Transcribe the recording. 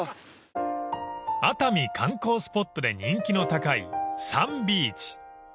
［熱海観光スポットで人気の高いサンビーチ］